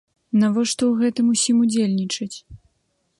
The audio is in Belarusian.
Навошта ў гэтым усім удзельнічаць?